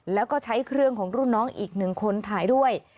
แล้วก็ใช้เครื่องของรุ่นน้องอีกหนึ่งคนถ่ายด้วย